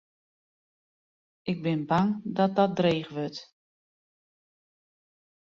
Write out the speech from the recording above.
Ik bin bang dat dat dreech wurdt.